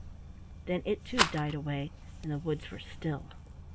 Then it too died away, and the woods were still.